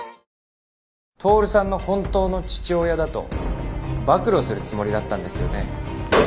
透さんの本当の父親だと暴露するつもりだったんですよね。